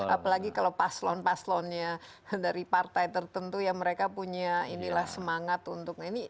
apalagi kalau paslon paslonnya dari partai tertentu ya mereka punya inilah semangat untuk ini